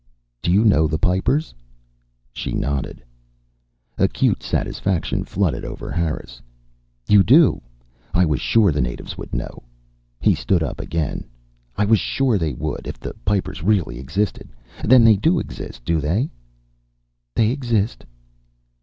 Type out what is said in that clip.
"Do you know the Pipers?" She nodded. Acute satisfaction flooded over Harris. "You do? I was sure the natives would know." He stood up again. "I was sure they would, if the Pipers really existed. Then they do exist, do they?" "They exist."